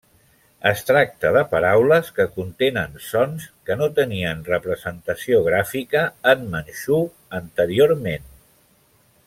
Es tracta de paraules que contenen sons que no tenien representació gràfica en manxú anteriorment.